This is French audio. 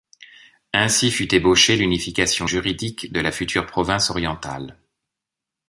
Ainsi fut ébauchée l’unification juridique de la future Province orientale.